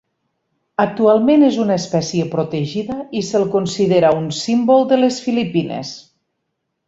Actualment és una espècie protegida i se'l considera un símbol de les Filipines.